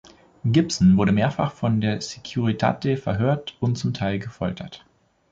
Gibson wurde mehrfach von der Securitate verhört und zum Teil gefoltert.